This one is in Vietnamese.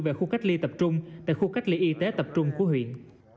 về khu cách ly tập trung tại khu cách ly y tế tập trung của huyện